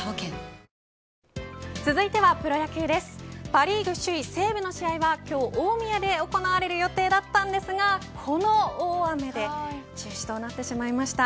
パ・リーグ首位西武の試合は今日、大宮で行われる予定だったんですがこの大雨で中止となってしまいました。